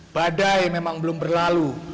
badai memang belum berlalu